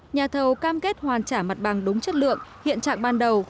nhà thầu cam kết hoàn trả mặt bằng đúng chất lượng hiện trạng ban đầu